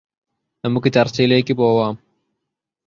നമുക്ക് ചർച്ചിലേക്ക് പോവാം